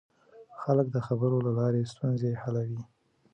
خلک د خبرو له لارې ستونزې حلوي